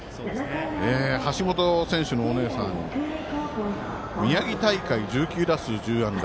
橋本選手のお姉さん宮城大会、１９打数１０安打